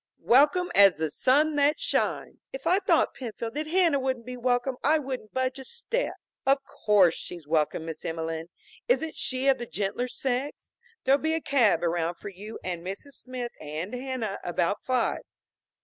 "Welcome as the sun that shines!" "If I thought, Penfield, that Hanna wouldn't be welcome I wouldn't budge a step." "Of course she's welcome, Miss Emelene. Isn't she of the gentler sex? There'll be a cab around for you and Mrs. Smith and Hanna about five.